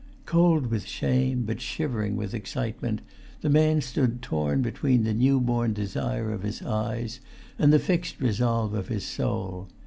Cold with shame, but shivering with excitement, the man stood torn between the newborn desire of his eyes, and the fixed resolve of his soul.